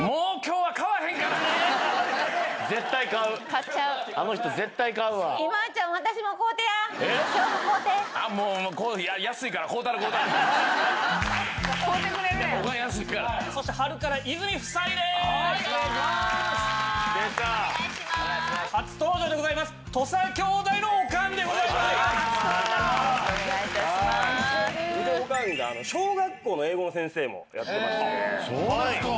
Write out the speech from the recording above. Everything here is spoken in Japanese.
うちのおかんが小学校の英語の先生もやってまして。